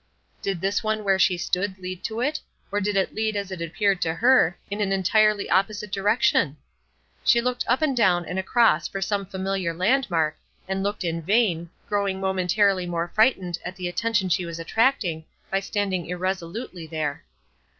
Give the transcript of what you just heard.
Did this one where she stood lead to it, or did it lead, as it appeared to her, in an entirely opposite direction? She looked up and down and across for some familiar landmark, and looked in vain, growing momentarily more frightened at the attention she was attracting by standing irresolutely there.